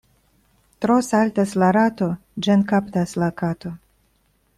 Tro saltas la rato — ĝin kaptas la kato.